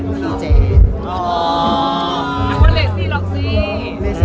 อ๋อเรื่องรกซีก็ไม่มี